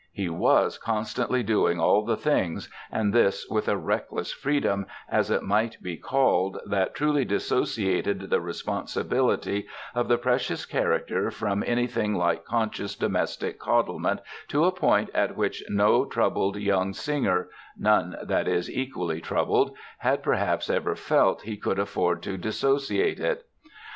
He was constantly doing all the things, and this with a reckless freedom, as it might be called, that really dissociated the responsibility of the precious character from anything like conscious domestic coddlement to a point at which no troubled young singer, none, that is, equally troubled, had perhaps ever felt he could afford to dissociate it.